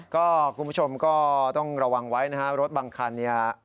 ก็คุณผู้ชมก็ต้องระวังไว้นะฮะรถบางคันเนี่ย